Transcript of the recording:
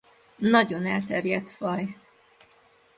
Nagyon elterjedt faj.